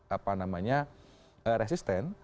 apa namanya resisten